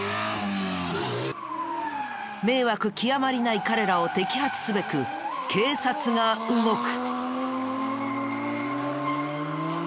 迷惑極まりない彼らを摘発すべく警察が動く！